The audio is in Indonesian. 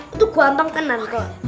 itu kuantong kenan